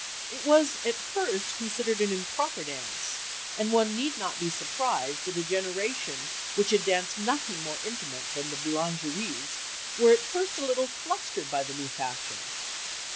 It was at first considered an "improper" dance, and one need not be surprised that a generation which had danced nothing more intimate than the "boulangeries" was at first a little flustered by the new fashion.